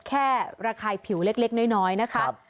ระคายผิวเล็กน้อยนะคะ